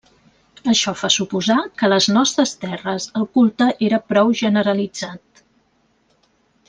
Això fa suposar que a les nostres terres el culte era prou generalitzat.